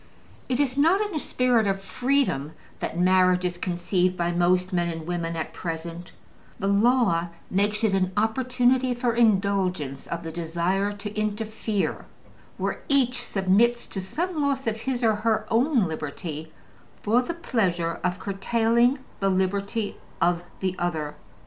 It is not in a spirit of freedom that marriage is conceived by most men and women at present: the law makes it an opportunity for indulgence of the desire to interfere, where each submits to some loss of his or her own liberty, for the pleasure of curtailing the liberty of the other.